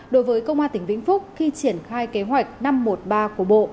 đối với công an tỉnh vĩnh phúc khi triển khai kế hoạch năm trăm một mươi ba của bộ